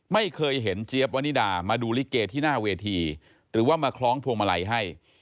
ไม่เคยเห็นเจี๊ยบวนิดามาดูลิเกที่หน้าเวทีหรือว่ามาคล้องพวงมาลัยให้